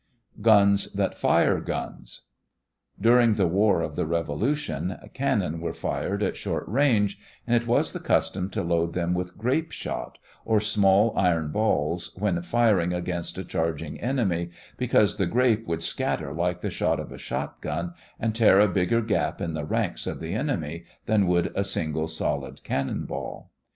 GUNS THAT FIRE GUNS During the War of the Revolution, cannon were fired at short range, and it was the custom to load them with grape shot, or small iron balls, when firing against a charging enemy, because the grape would scatter like the shot of a shot gun and tear a bigger gap in the ranks of the enemy than would a single solid cannon ball.